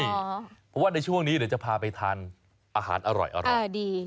เพราะว่าในช่วงนี้เดี๋ยวจะพาไปทานอาหารอร่อย